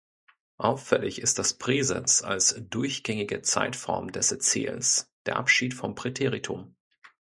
Auffällig ist das Präsens als durchgängige Zeitform des Erzählens, der Abschied vom Präteritum.